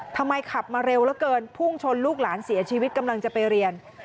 ทำไมขับมาเร็วเหลือเกินพุ่งชนลูกหลานเสียชีวิตกำลังจะไปเรียน